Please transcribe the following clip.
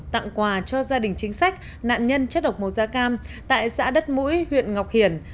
tặng quà cho gia đình chính sách nạn nhân chất độc màu da cam tại xã đất mũi huyện ngọc hiển